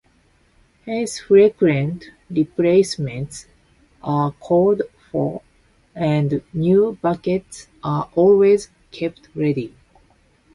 Hence frequent replacements are called for and new baskets are always kept ready.